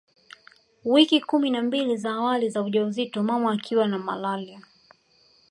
Wiki kumi na mbili za awali za ujauzito mama akiwa na malaria